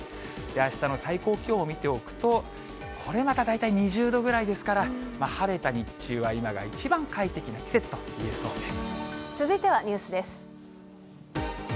あしたの最高気温を見ておくと、これまた大体２０度ぐらいですから、晴れた日中は今が一番快適な季節といえそうです。